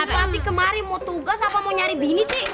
apalagi kemaren mau tugas apa mau nyari bini sih